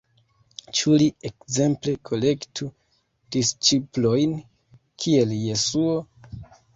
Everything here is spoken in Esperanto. Ĉu li, ekzemple, kolektu disĉiplojn kiel Jesuo?